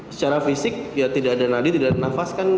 secara fisik ya tidak ada nadi tidak ada nafas kan